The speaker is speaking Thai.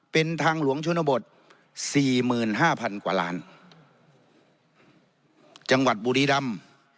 เป็นทางหลวงชนบทสี่หมื่นห้าพันกว่าล้านจังหวัดบุรีรำ